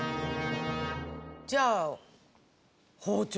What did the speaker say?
じゃあ包丁。